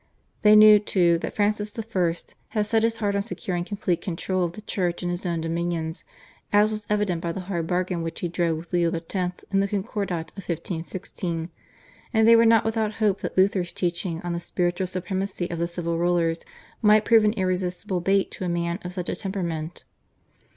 They knew, too, that Francis I. had set his heart on securing complete control of the Church in his own dominions, as was evident by the hard bargain which he drove with Leo X. in the Corcordat of 1516, and they were not without hope that Luther's teaching on the spiritual supremacy of the civil rulers might prove an irresistible bait to a man of such a temperament.